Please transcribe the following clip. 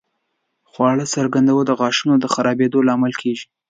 خواړه څرنګه د غاښونو د خرابېدو لامل کېږي؟